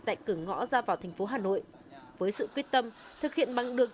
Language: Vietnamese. tại cửa ngõ ra vào thành phố hà nội với sự quyết tâm thực hiện bằng được